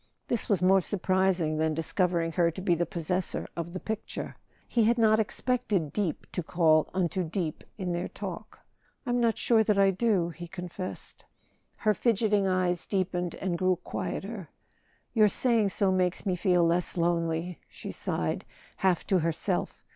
This was more surprising than discovering her to be the possessor of the picture; he had not expected deep to call unto deep in their talk. "I'm not sure that I do," he confessed. Her fidgeting eyes deepened and grew quieter. "Your saying so makes me feel less lonely," she sighed, half to herself.